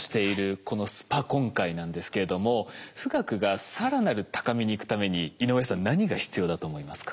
このスパコン界なんですけれども富岳が更なる高みに行くために井上さん何が必要だと思いますか？